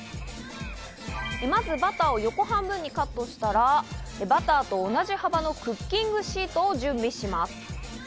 まずバターを横半分にカットしたら、バターと同じ幅のクッキングシートを準備します。